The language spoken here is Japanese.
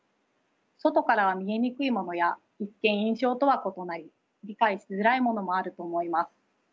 外からは見えにくいものや一見印象とは異なり理解しづらいものもあると思います。